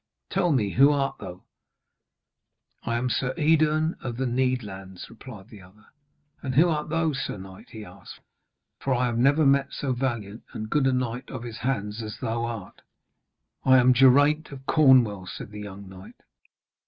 Tell me who art thou?' 'I am Sir Edern of the Needlands,' replied the other. 'And who art thou, sir knight,' he asked, 'for never have I met so valiant and good a knight of his hands as thou art.' 'I am Geraint of Cornwall,' said the young knight.